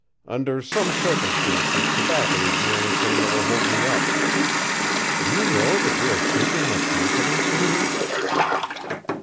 "Under some circumstances tobacco is the only thing that will hold me up. Do you know that you are shaking my confidence in you?"